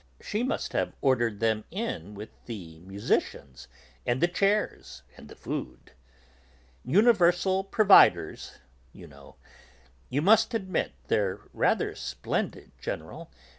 She must have ordered them in with the musicians and the chairs and the food. 'Universal providers,' you know. You must admit, they're rather splendid, General.